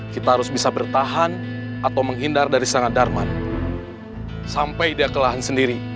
kita harus bisa bertahan atau menghindar dari serangan darman sampai dia kelahan sendiri